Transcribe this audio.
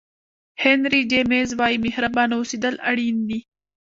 هینري جمیز وایي مهربانه اوسېدل اړین دي.